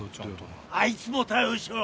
あいつも逮捕しろ！